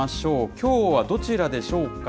きょうはどちらでしょうか。